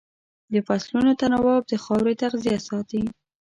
د فصلونو تناوب د خاورې تغذیه ساتي.